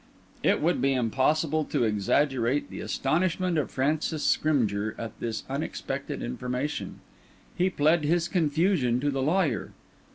It would be impossible to exaggerate the astonishment of Francis Scrymgeour at this unexpected information. He pled this confusion to the lawyer.